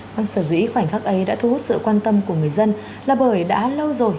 quang sở dĩ khoảnh khắc ấy đã thu hút sự quan tâm của người dân là bởi đã lâu rồi